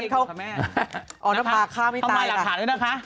เออระภาคร่าวไว้ตายด้วยค่ะ